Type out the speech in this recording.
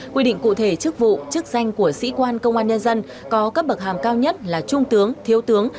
quy định cụ thể chức vụ chức danh của sĩ quan công an nhân dân có cấp bậc hàm cao nhất là trung tướng thiếu tướng